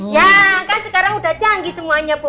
ya kan sekarang udah canggih semuanya bu